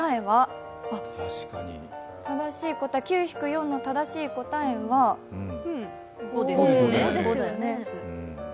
９−４の正しい答えは５ですよね。